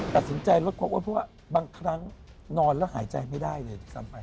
ตัดสินใจลดครบว่าเพราะว่าบางครั้งนอนแล้วหายใจไม่ได้เลยสำหรับ